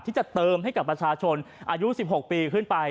ที่จะเติมให้กับประชาชนอายุ๑๖ปีขึ้นไป